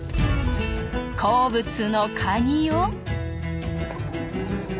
好物のカニを。